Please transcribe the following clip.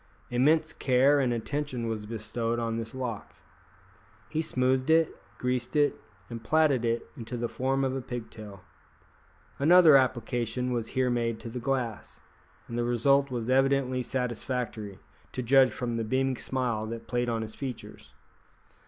Immense care and attention was bestowed on this lock. He smoothed it, greased it, and plaited it into the form of a pigtail. Another application was here made to the glass, and the result was evidently satisfactory, to judge from the beaming smile that played on his features.